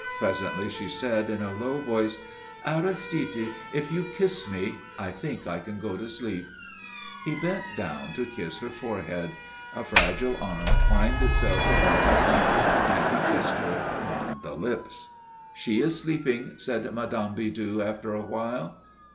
Presently she said, in a low voice: "Aristide if you kiss me, I think I can go to sleep." He bent down to kiss her forehead. A fragile arm twined itself about his neck and he kissed her on the lips. "She is sleeping," said Mme. Bidoux, after a while.